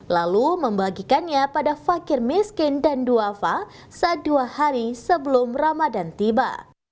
lalu membagikannya pada fakir miskin dan duafa saat dua hari sebelum ramadan tiba